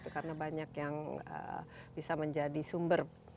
karena banyak yang bisa menjadi sumber